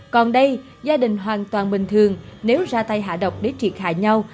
còn đây gia đình hoàn toàn bình thường nếu ra tay hạ độc để triệt hạ nhau